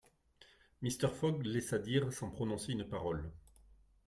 Mr. Fogg laissa dire sans prononcer une parole.